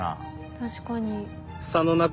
確かに。